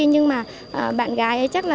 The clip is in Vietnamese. nhưng mà bạn gái ấy chắc là